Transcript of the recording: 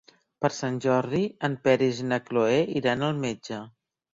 Per Sant Jordi en Peris i na Cloè iran al metge.